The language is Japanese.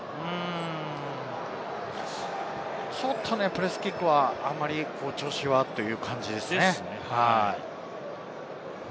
ちょっとね、プレースキックは、あまり調子がという感じですね。